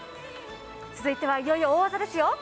続いては、いよいよ大技ですよ。